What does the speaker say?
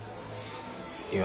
いや。